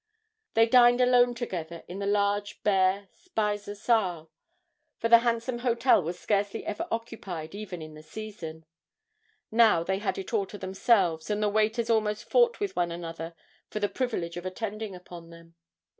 They dined alone together in the large bare Speise Saal, for the handsome hotel was scarcely ever occupied even in the season. Now they had it all to themselves, and the waiters almost fought with one another for the privilege of attending upon them.